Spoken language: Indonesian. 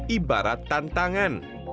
empat ibarat tantangan